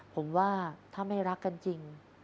ผมว่าถ้าไม่รักกันจริง